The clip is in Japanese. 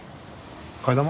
替え玉？